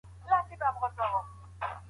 ښه خوب فشار کموي.